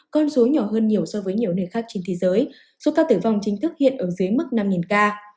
con số nhỏ hơn nhiều so với nhiều nơi khác trên thế giới số ca tử vong chính thức hiện ở dưới mức năm ca